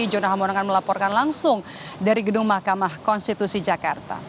jona hamonangan melaporkan langsung dari gedung mahkamah konstitusi jakarta